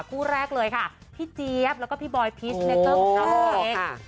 คู่แรกเลยค่ะพี่เจี๊ยบแล้วก็พี่บอยพีชเนเกิ้ลอุทาโหย